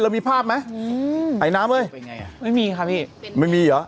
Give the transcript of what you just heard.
มีภาพไหมอืมไอน้ำเอ้ยเป็นไงไม่มีค่ะพี่ไม่มีเหรอ